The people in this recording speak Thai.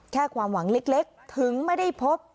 ความหวังเล็กถึงไม่ได้พบ